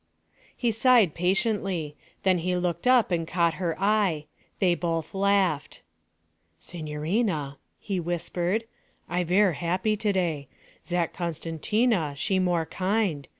He sighed patiently. Then he looked up and caught her eye. They both laughed. 'Signorina,' he whispered, 'I ver' happy to day. Zat Costantina she more kind.